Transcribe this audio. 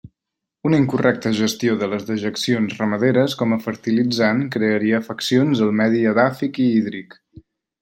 Una incorrecta gestió de les dejeccions ramaderes com a fertilitzant crearia afeccions al medi edàfic i hídric.